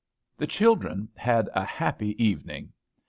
The children had a happy evening.